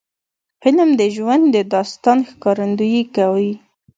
فلم د ژوند د داستان ښکارندویي کوي